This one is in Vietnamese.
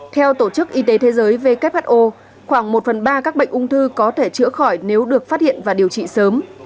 theo tổ chức y tế thế giới who khoảng một phần ba các bệnh ung thư có thể chữa khỏi nếu được phát hiện và điều trị sớm